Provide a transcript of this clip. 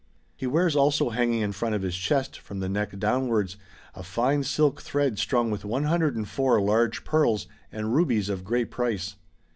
* He wears also hanging in front of his chest from the neck downwards, a fine silk thread strung with 104 large pearls and rubies of great price.